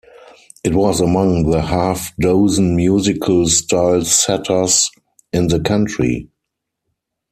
It was among the half-dozen musical style-setters in the country.